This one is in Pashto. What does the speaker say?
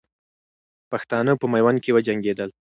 پښتانه په میوند کې وجنګېدل.